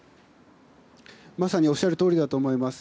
まさにおっしゃるとおりだと思います。